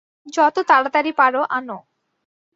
যত তাড়াতাড়ি পারো আনো।